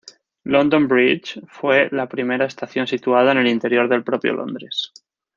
London Bridge fue la primera estación situada en el interior del propio Londres.